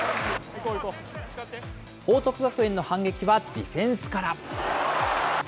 報徳学園の反撃はディフェンスから。